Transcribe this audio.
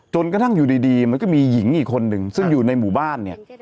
กระทั่งอยู่ดีมันก็มีหญิงอีกคนนึงซึ่งอยู่ในหมู่บ้านเนี่ย